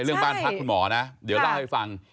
เรื่องบ้านพักคุณหมอนะเดี๋ยวเล่าให้ฟัง